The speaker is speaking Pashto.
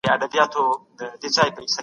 قاتل ته د قصاص سزا ورکول انصاف دی.